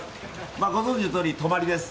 ご存じのとおり、泊まりです。